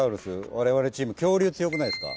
われわれチーム恐竜強くないですか？